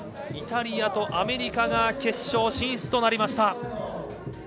イタリアとアメリカが決勝進出となりました。